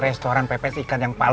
mas h landang kembali ke kantor hospital